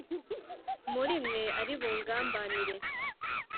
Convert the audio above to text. Muri mwe ari bungambanire